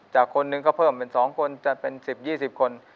จากคนหนึ่งก็เพิ่มเป็นสองคนจากเป็นสิบยี่สิบคน